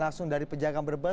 langsung dari pejagaan berbas